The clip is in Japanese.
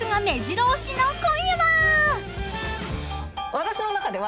私の中では。